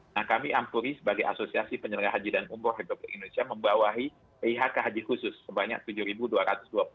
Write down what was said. nah kami ampuri sebagai asosiasi penyelenggara haji dan umroh republik indonesia membawahi pihk haji khusus sebanyak rp tujuh dua ratus dua puluh